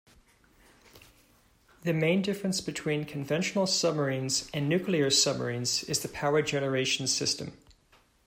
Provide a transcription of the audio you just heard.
The main difference between conventional submarines and nuclear submarines is the power generation system.